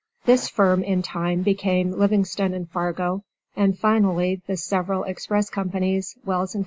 This firm, in time, became Livingston & Fargo, and finally the several express companies: Wells & Co.